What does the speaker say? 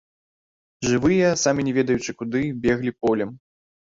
Жывыя, самі не ведаючы куды, беглі полем.